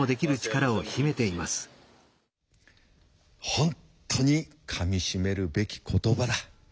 本当にかみしめるべき言葉だ。